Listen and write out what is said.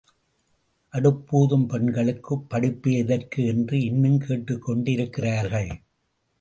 அடுப்பூதும் பெண்களுக்குப் படிப்பு எதற்கு என்று இன்னும் கேட்டுக் கொண்டிருக்கிறார்கள்.